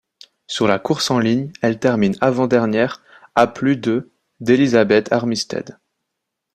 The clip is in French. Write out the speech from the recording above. Sur la course en ligne, elle termine avant-dernière à plus de d'Elizabeth Armitstead.